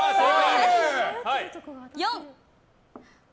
４。